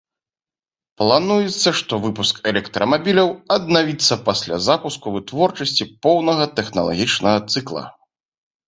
Плануецца, што выпуск электрамабіляў аднавіцца пасля запуску вытворчасці поўнага тэхналагічнага цыкла.